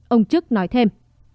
ông trức nói thêm